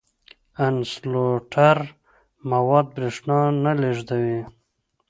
انسولټر مواد برېښنا نه لیږدوي.